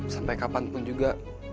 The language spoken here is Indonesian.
sampai kapan pun juga